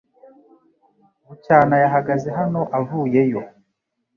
Bucyana yahagaze hano avuyeyo